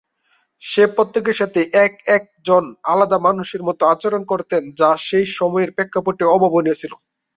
সে প্রত্যেকের সাথে এক এক জন আলাদা মানুষের মতো আচরণ করতেন, যা সেই সময়ের প্রেক্ষাপটে অভাবনীয় ছিলো।